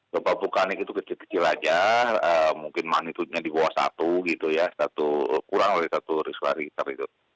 gepa bukaan itu kecil kecil saja mungkin magnitudenya di bawah satu gitu ya kurang dari satu risk lari tersebut